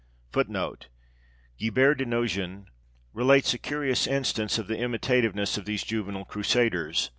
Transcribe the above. Guibert de Nogent relates a curious instance of the imitativeness of these juvenile Crusaders.